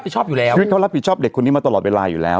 ชีวิตเขารับผิดชอบเด็กคนนี้มาตลอดเวลาอยู่แล้ว